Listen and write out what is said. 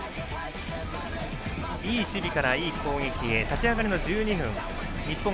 いい守備から、いい攻撃へ立ち上がりの１２分。